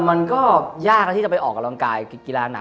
มันก็ยากแล้วที่จะไปออกกำลังกายกีฬาหนัก